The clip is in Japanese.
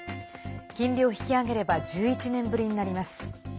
金利を引き上げれば１１年ぶりになります。